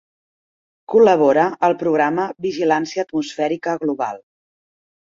Col·labora al programa Vigilància Atmosfèrica Global.